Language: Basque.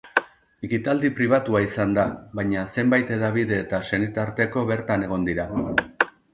Ekitaldi pribatua izan da, baina zenbait hedabide eta senitarteko bertan egon dira.